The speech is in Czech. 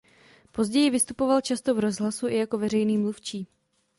Později vystupoval často v rozhlasu i jako veřejný mluvčí.